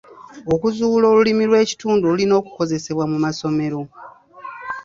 Okuzuula Olulimi lw'ekitundu olulina okukozesebwa mu masomero.